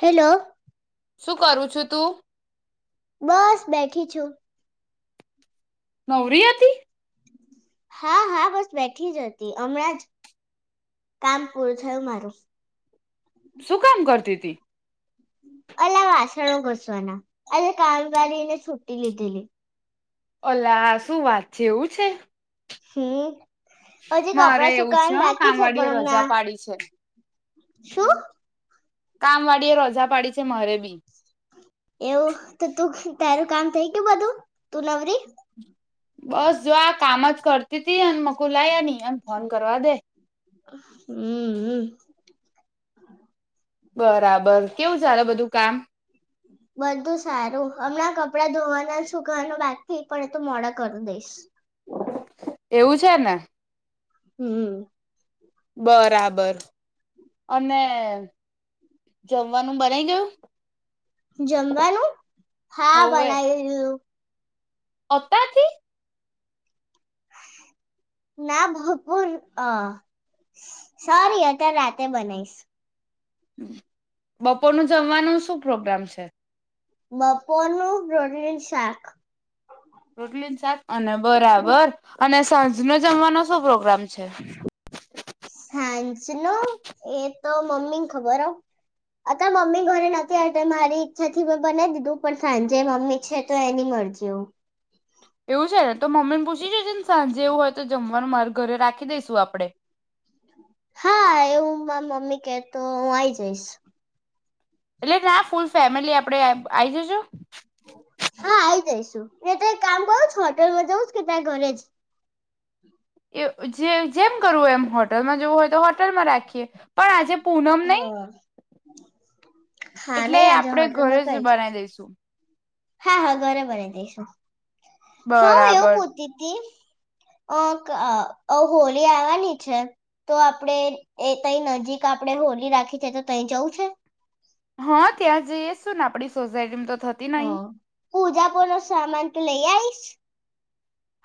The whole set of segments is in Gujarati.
હેલો શું કરું છું તું? બસ બે [unintelligible] છું. નવરી હતી. હા હા બસ બેઠી જ હતી હમણાં જ કામ પૂરું થયું મારું. શું કામ કરતી હતીી અ વાસણો ઘસવાના અ કામ કરીારીને છૂટી લીધેલી અલા શું વાત છે, એવું છે. હ હજી મારે કપડા એવું છે સુકવા હં બાકી છે, કામવાળીએ પણ રજા હમણા પાડી છે. શું કામ વાળ એ રોજા પાડી છે, મરે બી એવું તો તું તારું કામ થઇ ગયું બધું તું નવરી બસ જો આ કામ જ કરતી હતી અને મકુલાયાની ફોન કરવા દે હમ હમ બરાબર બસ કેવું જારે બધું કામ બધું સારું હમણાં કપડા ધોવાના સુૂકવાનું બાકી થઈ પણ એ તોું મોડા કરું દઈશ એવું છે, ને હમ બરાબર અને જમવાનું બને ગયું જમવાનું હા બનાવીું અતાથી ના ભરપૂર અ સારી અત્યારે રાતે બનાશ બપોરનું જમવાનું શું પ્રોગ્રામ છે. મપોનું પ્રોટીન શાક રોટલી ન શાક અને બરાબર અને સાંજ નો જમવાનો શું પ્રોગ્રામ છે. [inaudible] સાંજ ન એ તો મમ્મી ને ખબર હો અત મમ્મી ઘરે નથી આવતા મારી ઈચ્છા થી મેં બનાવી દીધું પણ સાંજે મમ્મી છે, તો એની મરજીઓ એવું છે, ને તો મમ્મી ને પૂછી શ છે, ને સાંજે એવું હોય તો જમવાનું મારે ઘરે રાખી દઈસું આપડે હા એવું મા મમ્મી કેતો હું આઈ જઈશ એટલે ના ફૂલ ફેમિલી આપડે આ જશું હા આઈ જઈશું એ ત એક કામ કરુંમાં જવું કે ત્યાં ઘરે જ એ જે જેમ કરવું હોય એમ હોટલમાં જવું હોય તો હોટલમાં રાખીએ પણ આજે પૂનમ નહી હા હા એટલે નહી આજે આપણેે ઘરે હોટલમાં કઈ જ બનાવી દઈશું હા હા ઘરેબને દઈશું હા એવું બરાબર પોતી હતીી અ હોલી આવવાની છે, તો આપડે એ તઈ નજીક આપણેે હોલી રાખી છે, તો તઈ જવું છે. હા ત્યાં જઈએ શું ને આપડી સોસાયટીમાં તો થતી હ નહી. પૂજા પડ સા ટ લઈ આઈશ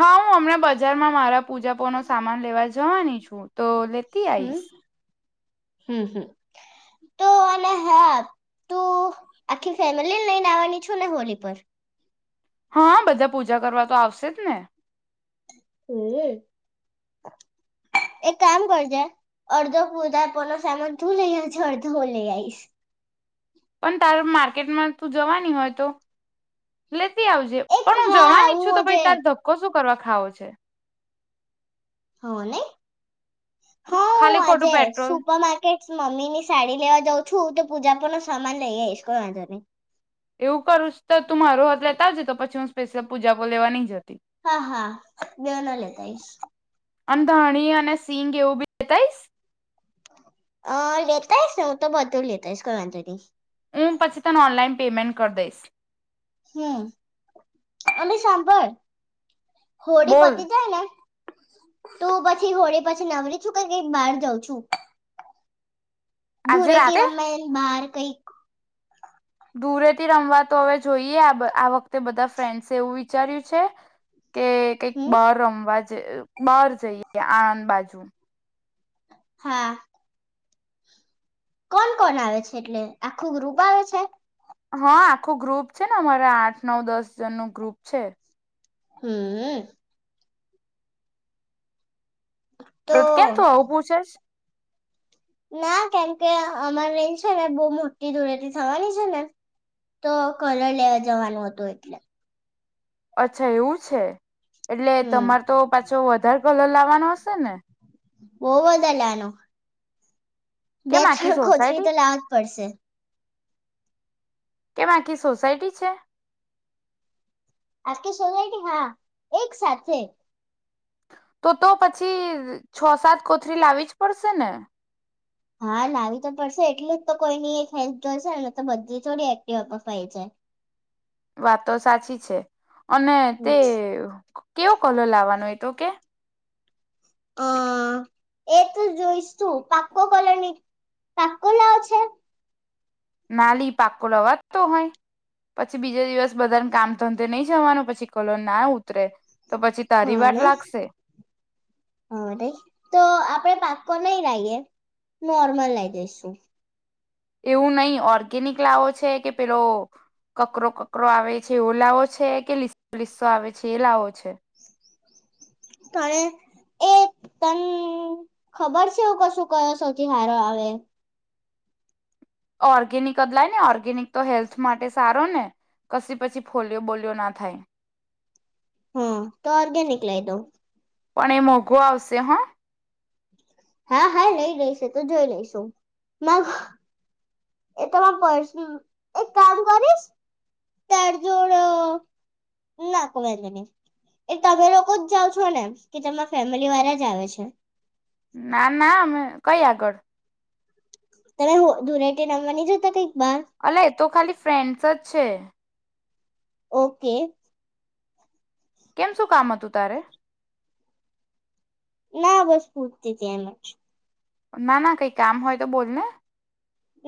હા હું અમણા બજારમાં મારા પૂજાપ નો સામાન લેવા જવાની છું તો લેતી હમ. આઈશ હમ હમ તો અને હા તું આખી ફેમિલી લઈને આવવાની છુ ને હોલી પર હા બધા પૂજા કરવા તો આવશે જ ને. હમ એક કામ કરજે અર્ધો પધા પનો સામાન તું લઈ છે અર્ધ હો લઈ આઈશ. પણ તારે માર્કેટમાં તું જવાની હોય તો લેતી લેતી આવજે પણ હું જવા હા ઈચ્ હું છું તો આજે તાર ધક્કો શું કરવા ખાવો છે. હો ને. હા ખાલી ખોટું આજે પેટ્રોલ સુપર માર્કેટ મમ્મી ની સાડી લેવા જઉં છું તો પૂજા પણ ન સામાન લઈ આઈસ કંઈ વાઘો નહી એવું કરુંસ્ તું મારો હાથ લેતા આવજ પછી હું સ્પેશિયલ પૂજાઓ લેવા નઈ જતી. હા હા બે ના લેતા ઈશ. અંધાણી અને સિંગ એવું બી લેતા આઇસ અ લેતાઈશ ન તો બધું લેતાઈશ કો વાંધો નહી. હું પછી તને ઓનલાઈન પેમેન્ટ કરી દઈશ. હમ અને સાંભળ હોડી બોલ પતી જાય ને તું પછી હોળે પછી નવરી છું કે કઈ બહાર જઉં છું? આજે ધૂરેટી રાતે રમાયલ બાર એક ઘૂળેટી રમવા તો હવે જોઈએ આ બ આ વખતે બધા ફ્રેન્ડસે એવું વિચાર્યું છે કે કઈક હમ બાર રમવા જ ઇએબહાર જઈએ આણંદ બાજુ તો હા. કોણ કોણ આવે છે એટલે આખું ગ્રુપ આવે છે. હા આખું ગ્રુપ છે ને અમારા આઠ નવ દસ જનનું ગ્રુપ છે. હમ. [unintelligible] તો કેમ તું આવું પૂછેશ. ના કેમકે અમાર રેન્જ છે ને બહુ મોટી ધોરેેથી થવાની છે ને તો કલર લેવા જવાનું હતું એટલે. અચ્છા એવું છે. એટલે હમ તમાર તો પાછો વધારે. લો લાવવાનો હશે ને. [unintelligible] બે કેમ આખી છણ ખોચવી સોસાયટી તો લાવ જ પડશે. કેમ આખી સોસાયટી છે. આખી સોસાયટી કે હા એક સાથે. તો તો પછી છ સાત કોથરી લાવી જ પડશે ને? હા લાવી તો પડશે એટલે જ તો કોઈની એક હેલ્થ જોશે ને તો બધી થોડી એક્ટિવ આપાય છે. વાતો તો સાચી છે. અને તે હમ કેવો કોલ લાવવાનો હોય તો કે અ [inaudible] એ તો જોઈશું પાક્કો કોલરની પાક્કો લાવ છે. નાલી પાકો લવા જતો હોય પછી બીજા દિવસ બધાને કામ ધંધે નહી જવાનું પછી કલોન ના ઉતરે. તો પછી તારી હા વાટ નહી લાગશે હ નઈ તો આપણે પાચ [unintelligible] નોર્મલ લઈ જઈશું. એવું નહી ઓર્ગેનિક લાવો છે કે પેલો કકરો કકરો આવે છે એવો લાવો છે કે લીસો લિસ્સો આવે છે એ લાવો છે. ત એ તને ખબર છે એ તમ્મ ખબર છેકશું કયો સૌથી હારો આવે. ઓર્ગેનિક બદલાય ને ઓર્ગેનિક તો હેલ્થ માટે સારો ને કશી પછી ફોલિયો બોલિયો ના થાય. હમ્મ તો ઓર્ગેનિક લઈ દઉ. પણ એ મોઘો આવશે હા. હા હા લઈ લઈશ તો જોઈ લઈશું એ તમા પસ એક કામ કરીશ ત્યાર જોડ ના નહી એ તમે લોકો જ જાવ છો ને કે તમા ફેમિલી વાળા જ આવે છે. ના ના અમે કઈ આગળ. તમે દૂરેટે રમવા નની જતા બાર અલા એ તો ખાલી ફ્રેન્ડ છે. ઓકે. કેમ શું કામ હતું તારે. ના બસ પૂછતીતી એમજ. ના ના કઈ કામ હોય તો બોલ?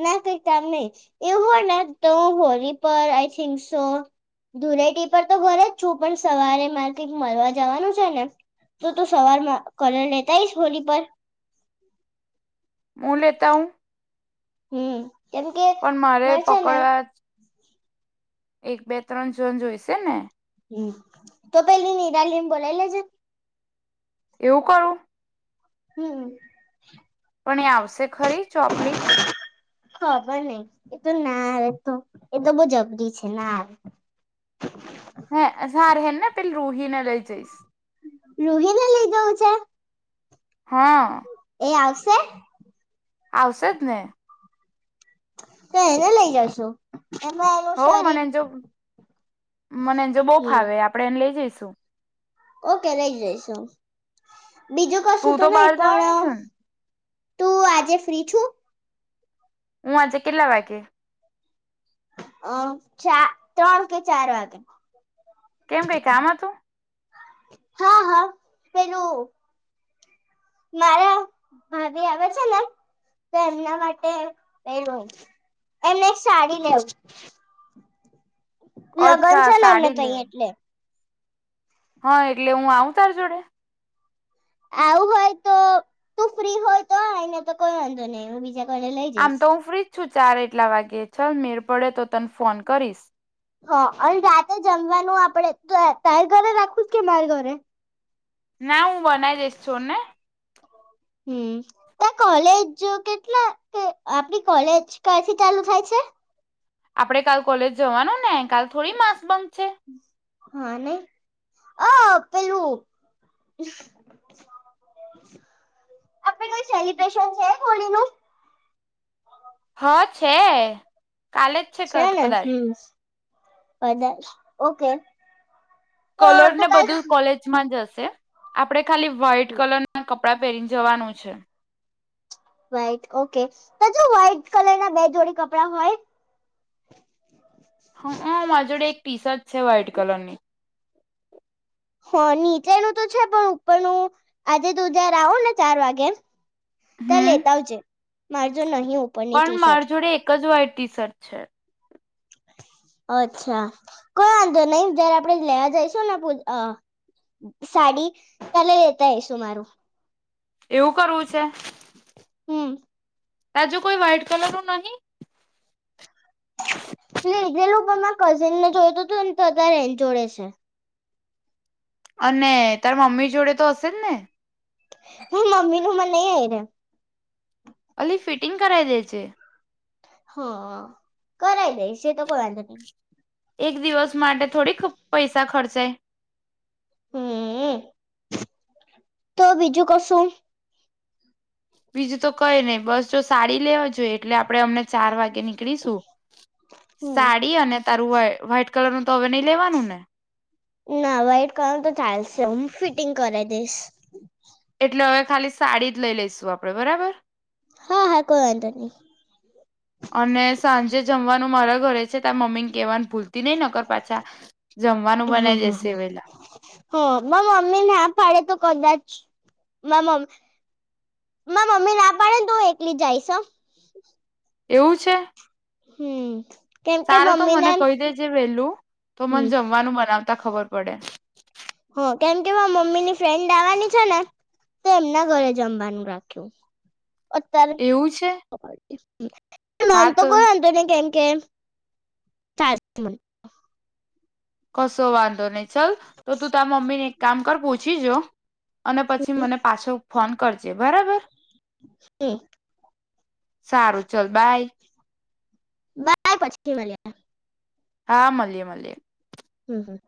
ના કઈ કામ નહી એવું હોય ને તો હું હોળી પર આઈ થિંક સો ધુરેટી પર તો ઘરેજ છું પણ સવારે મારે કંઈક મલવા જવાનું છેને તો તું સવારમાં કલર લેતા આઈસ હોળી પર. હું લેતાઉ? હમ કેમ કે પણ મારે છે ને પકડવા એક બે ત્રણ ઝોન જોઈશે ને. હમ્મ તો પેલી નિરાલીને બોલાય લેજે. એવું કરું. હમ્મ. પણ એ આવશે ખરી ચોપલી? ખબર નઈ એ તો ના આવે તો એ તો બવ જબરી છે ના આવે. હે સારુ હેને પેલી રુહી ને લઈ જઈશ. રુહી લઈ જાઉં છે. હા. એ આવશે? આવશે જ ને. તો એને લઈ જશો. હોવ મને એની જો મને એની જોડે હમ બવફાવે આપડે એને લઈ જઈશ. [unintelligible] ઓકે લઈ જઈશું. બીજું કશું તું તો બહાર નહી જવાની પણ છું ને તું આજે ફ્રી છું? હું આજે કેટલા વાગે અ ચાર ત્રણ કે ચાર વાગે. કેમ કઈ કામ હતું? હા હા પેલું મારા ભાભી આવે છે ને તો એમના માટે એ એમને એક સાડી લેવું. લગ્ન અચ્છા છેને એમને સાડી તઈ લેવા એટલે. હા એટલે, હું આવું તારે જોડે? આવું હોય તો, તુ ફ્રી હોય તો આય નય તો કોઈ વાંધો નહી હું બીજા કોઈને લઈ આમ જઈશ. તો હું ફ્રી જ છું. ચાર એટલા વાગે ચાલ મેળ પડે તો તને ફોન કરીશ. હ અને રાતે જમવાનું આપડે તાર ઘરે રાખું કે મારે ઘરે. ના હું હું બનાઇ દઈશ છોડ ને. હમ, તો કોલેજ કેટલા કે આપણી કોલેજ કયારથી ચાલુ થાય છે. આપડે કાલ કોલેજ જવાનું ને કાલ થોડી માસ બન્ક. હા નઈ, અ પેલું, આ પેલું સેલિબ્રેશન છે કુલી નું? હ છે. કાલે જ છે ક ને કદાચ. હમ કદાચ ઓકે. તો કલર ને તું કાલ બધું કોલેજ માં જ હશે. છે આપડે ખાલી વ્હાઈટ કલર ના કપ કપડાં પેરી ન જવાનું છે. વ્હાઈટ આેકે, પછી વ્હાઈટ કલર ના બે જોડી કપરા હોય. હું અ માર જોડે એક ટીશર્ટ. છે વ્હાઈટ કલરની. હ નીચેનું તો છે પણ ઉપરનું આજે તું જયારે આવો ને ચાર વાગે તો હમ લેતા આવજે. માર જોડે નહ પણ માર જોડે એક જ વાઈટ ટીશર્ટ છે. અચ્છા, કોઈ વાંધો નઈ જયારે આપડે લેવા જઈશું ને અ સાડી ત્યારે લેતા આઈશું મારું. એવું કરવું છે? હું. તાર જોડે કોઈ વ્હાઈટ કલરનું નહીં. મેં લીધેલું પણ માર કઝિનને જોયતું હતું ને તો અતારે એન જોડે છે. અને [unintelligible] મમ્મી જોડે તો હશે જ ને. હું મમ્મીનું મા નઈ આઈ રેમ. અલી ફિટિંગ કરાય દેજે. હ, કરાય દયસ એતો કોય વાંધો ની. એક દિવસ માટે થોડીક પૈસા ખર્ચાય. હમ, તો બીજું કશું. બીજું તો કય નય બસ જો સાડી લેવા જોઈએ એટલે આપડે અમને ચાર વાગે નીકળીશું હમ સાડી અને. તારું વ્હાઈટ કલર નું તો હવે નઈ લેવાનું ને. ના વ્હાઈટ કલર તો ચાલશે હું ફિટિંગ કરાવ દઈશ એટલે હવે ખાલી સાડી જ લઈ લઈશું આપડે બરાબર હા હા કોઈ વાંધો નહી અને સાંજે જમવા ું મારા ઘરે છે ત્યા મમ્મીને કેવાનું ભૂલ હ હ બનાઈ હ દેશે વેલા હ મમ્મી ના પાાડે તો કદાચ મમ્મી મમ્મી ના પાડે ને તો એકલી જઈશ એવું છે હમ કેમ કે સારું તો મમ્મી મને ને કહી દેજ વેલું તો મને હમ જમવાનું બનાવતા ખબર પડે [inaudible] હ કેમ કે મા મમ્મી ની ફ્રેન્ડ આવવાની છે ને તો એમના ઘરે જમવાનું રાખ્યું પ તલે એવું છે [inaudible] અ તો કોઈો ને કેમ કેમ [inaudible] કસોવાન ન ચ તો તું ત મમ્મી ને. કામ કર પહછીજો અને પછી મને પાછો ફોન કરજે બરાબર. [inaudible] સારું ચલ બાય બસ પછી મળ્યા હા મળએે મળએ હમ હમ